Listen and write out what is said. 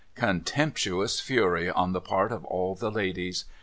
' Contemptuous fury on the part of all the ladies.